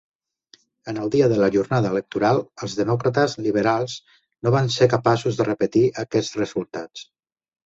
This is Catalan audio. En el dia de la jornada electoral els Demòcrates Liberals no van ser capaços de repetir aquests resultats.